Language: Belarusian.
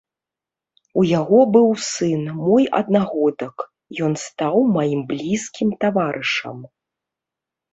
У яго быў сын, мой аднагодак, ён стаў маім блізкім таварышам.